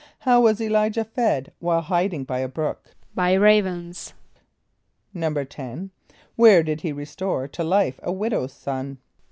= How was [+E] l[=i]´jah fed while hiding by a brook? =By ravens.= =10.= Where did he restore to life a widow's son?